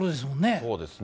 そうですね。